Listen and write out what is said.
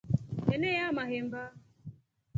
Eneyaa mahemba.